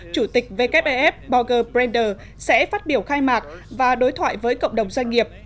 chủ tịch wef borrger brander sẽ phát biểu khai mạc và đối thoại với cộng đồng doanh nghiệp